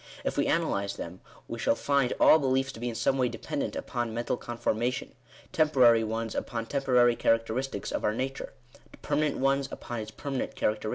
If we analyze them, we shall find all beliefs to be in some way dependent upon mental conforma tion — temporary ones upon temporary characteristics of our nature — permanent ones upon its permanent characteristics.